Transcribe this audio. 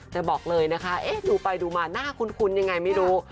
แต่บอกเลยนะคะดูไปดูมาน่าคุ้นยังไงไม่รู้